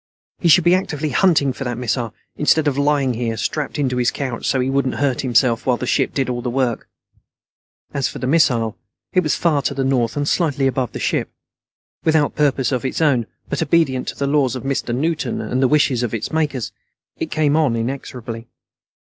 He should be actively hunting for that missile, instead of lying here, strapped into his couch so he wouldn't hurt himself, while the ship did all the work. As for the missile, it was far to the north and slightly above the ship. Without purpose of its own, but obedient to the laws of Mr. Newton and to the wishes of its makers, it came on inexorably.